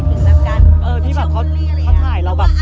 เออที่แบบเขาถ่ายเรา